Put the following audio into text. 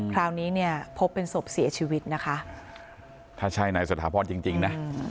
คราวนี้เนี่ยพบเป็นศพเสียชีวิตนะคะถ้าใช่นายสถาพรจริงนะ